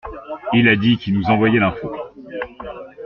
Il a dit qu'il nous envoyait l'info.